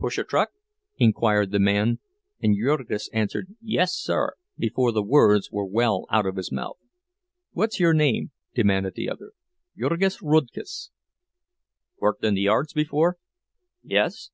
"Push a truck?" inquired the man, and Jurgis answered, "Yes, sir!" before the words were well out of his mouth. "What's your name?" demanded the other. "Jurgis Rudkus." "Worked in the yards before?" "Yes."